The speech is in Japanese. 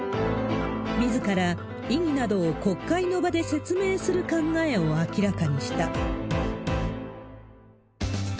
みずから意義などを国会の場で説明する考えを明らかにした。